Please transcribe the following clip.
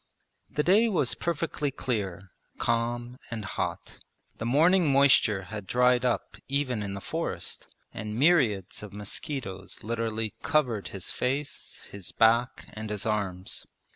The day was perfectly clear, calm, and hot. The morning moisture had dried up even in the forest, and myriads of mosquitoes literally covered his face, his back, and his arms.